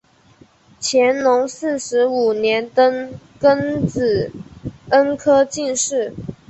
乾隆四十五年登庚子恩科进士。